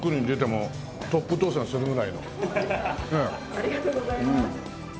ありがとうございます。